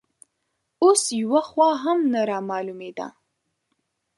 اوس یوه خوا هم نه رامالومېده